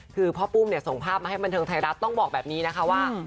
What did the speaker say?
คือพ่อปุ้มเนี่ยส่งภาพมาให้บันเทิงไทยรัฐต้องบอกแบบนี้นะคะว่า